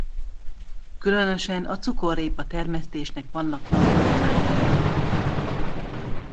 Különösen a cukorrépa termesztésnek vannak nagy hagyományai.